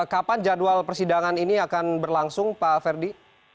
kapan jadwal persidangan ini akan berlangsung pak ferdi